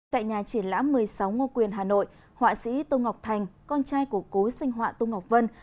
tại nhà triển lãm một mươi sáu ngô quyền hà nội họa sĩ tô ngọc thành con trai của cố sinh họa tô ngọc vân